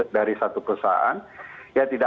dari satu perusahaan dia tidak